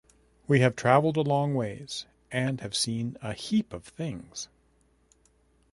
We have travelled a long ways, and have seen a heap of things.